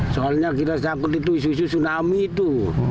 soalnya kita sangkut itu isu isu tsunami itu